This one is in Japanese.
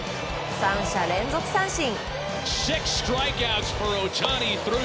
３者連続三振。